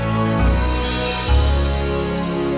terima kasih pak